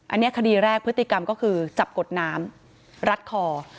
อันนี้คดีแรกพฤติกรรมก็คือจับกดน้ำรัดคอ